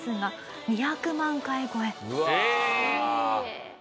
え！